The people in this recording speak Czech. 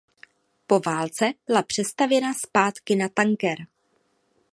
Po válce byla přestavěna zpátky na tanker.